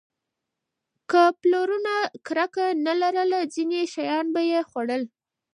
که پلرونه کرکه نه لرله، ځینې شیان به یې خوړل.